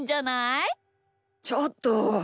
ちょっと。